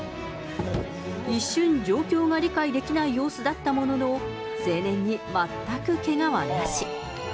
一瞬、状況が理解できない様子だったものの、青年に全くけがはなし。